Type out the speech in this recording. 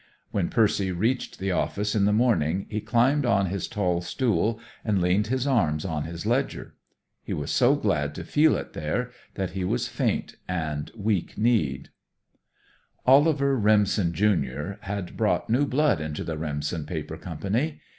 When Percy reached the office in the morning he climbed on his tall stool and leaned his arms on his ledger. He was so glad to feel it there that he was faint and weak kneed. Oliver Remsen, Junior, had brought new blood into the Remsen Paper Company.